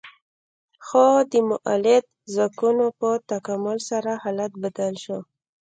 خو د مؤلده ځواکونو په تکامل سره حالت بدل شو.